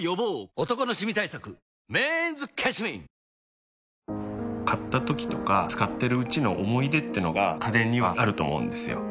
本麒麟買ったときとか使ってるうちの思い出ってのが家電にはあると思うんですよ。